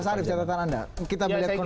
mas arief catatan anda kita melihat konflik ini